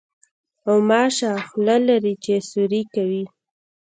غوماشه خوله لري چې سوري کوي.